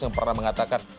yang pernah mengatakan